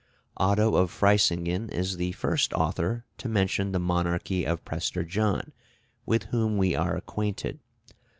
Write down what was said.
Otto of Freisingen is the first author to mention the monarchy of Prester John with whom we are acquainted.